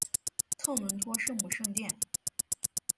特伦托圣母圣殿。